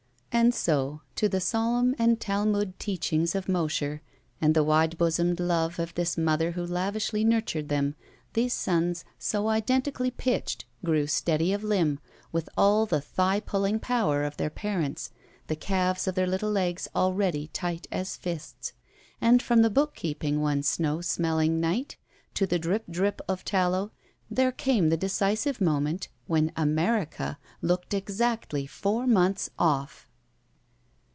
And so, to the solemn and Talmud teachings of Mosher and the wide bosomed love of this mother who lavishly nurtured them, these sons, so identically pitched, grew steady of limb, with all the thigh pulling power of their parents, the calves of their little legs already tight as fists. And from the book keeping one snow smeUing night, to the drip drip of tallow, there came the decisive moment when America looked exactly four months oflf!